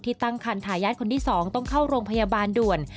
ตั้งคันทายาทคนที่๒ต้องเข้าโรงพยาบาลด่วน